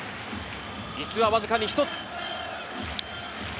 イスはわずかに１つ。